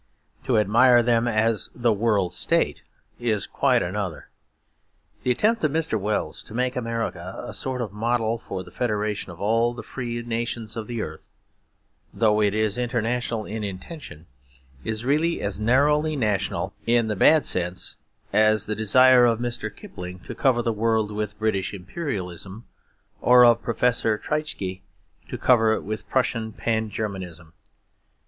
To admire them as the World State is quite another. The attempt of Mr. Wells to make America a sort of model for the federation of all the free nations of the earth, though it is international in intention, is really as narrowly national, in the bad sense, as the desire of Mr. Kipling to cover the world with British Imperialism, or of Professor Treitschke to cover it with Prussian Pan Germanism.